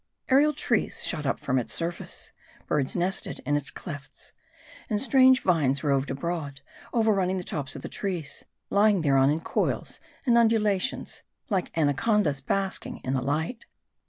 Aerial trees shot up from its surface ; birds nested in its clefts ; and strange vines roved abroad, overrunning the tops of the trees, lying thereon in coils and undulations, like anacondas basking in the light.